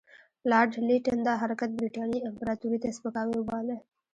لارډ لیټن دا حرکت برټانیې امپراطوري ته سپکاوی وباله.